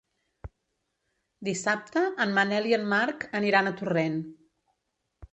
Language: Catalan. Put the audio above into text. Dissabte en Manel i en Marc aniran a Torrent.